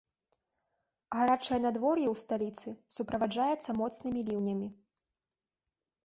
Гарачае надвор'е ў сталіцы суправаджаецца моцнымі ліўнямі.